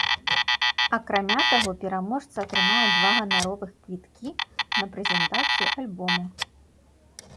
Акрамя таго, пераможца атрымае два ганаровых квіткі на прэзентацыю альбому.